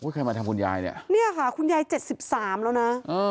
ใครมาทำคุณยายเนี่ยเนี่ยค่ะคุณยาย๗๓แล้วนะ